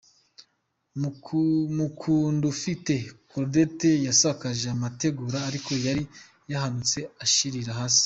Mukundufite Colette yasakaje amategura ariko yari yahanutse ashirira hasi.